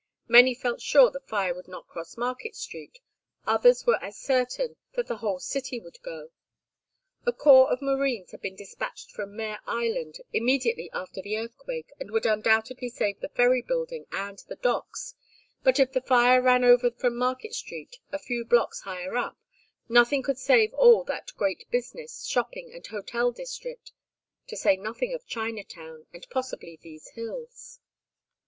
Many felt sure the fire would not cross Market Street, others were as certain that the whole city would go. A corps of marines had been despatched from Mare Island immediately after the earthquake and would undoubtedly save the Ferry Building and the docks, but if the fire ran over from Market Street a few blocks higher up, nothing could save all that great business, shopping, and hotel district; to say nothing of Chinatown, and possibly these hills.